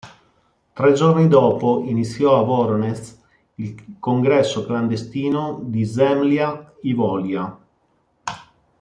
Tre giorni dopo iniziò a Voronež il congresso clandestino di Zemlja i Volja.